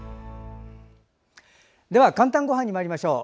では「かんたんごはん」にまいりましょう。